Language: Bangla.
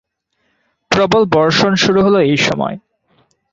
প্রবল বর্ষণ শুরু হলো এই সময়।